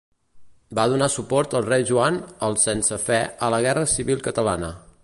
Va donar suport al rei Joan el sense Fe a la guerra civil catalana.